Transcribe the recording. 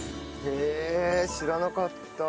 へえ知らなかった。